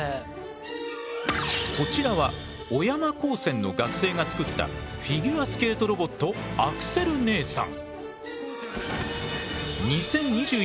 こちらは小山高専の学生が作ったフィギュアスケートロボットアクセル姉さん。